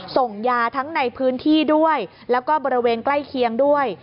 ส่งยาทั้งในพื้นที่ด้วยแล้วก็บริเวณใกล้เคียงด้วย